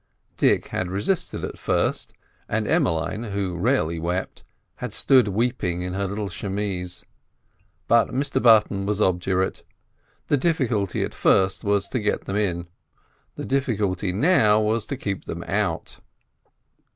Dick had resisted at first, and Emmeline (who rarely wept) had stood weeping in her little chemise. But Mr Button was obdurate. The difficulty at first was to get them in; the difficulty now was to keep them out.